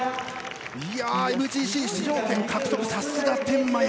ＭＧＣ出場権獲得さすが天満屋。